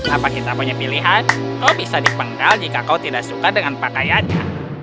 apa kita punya pilihan kau bisa dipenggal jika kau tidak suka dengan pakaiannya